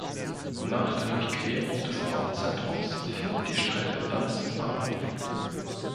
Nach der Durchquerung des Dorfzentrums führt die Strecke dann zum Bahnhof.